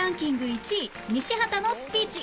１位西畑のスピーチ